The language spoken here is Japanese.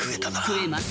食えます。